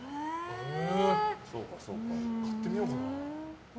買ってみようかな。